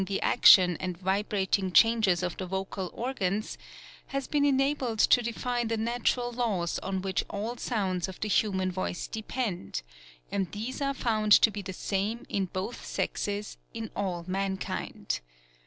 15 the action and vibrating changes of the vocal organs, has been enabled to define the natural laws on which all . sounds of the hunan voice depend ; and these are found to be the same in both sex?s in all mankind.